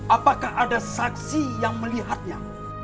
apakah ada saksi yang melihatnya